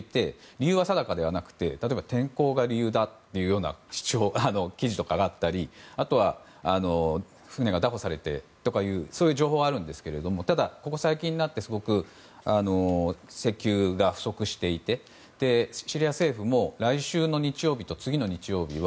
理由は定かではなくて例えば天候が理由だという記事があったりあとは、船が拿捕されてとかいうそういう情報はあるんですけどただ、ここ最近になってすごく石油が不足していてシリア政府も来週の日曜日と次の日曜日は